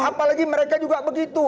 apalagi mereka juga begitu